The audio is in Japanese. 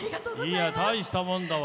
たいしたもんだわ。